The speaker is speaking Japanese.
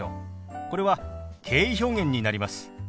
これは敬意表現になります。